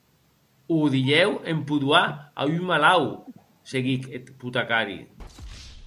O dilhèu empodoar a un malaut!, seguic eth potecari.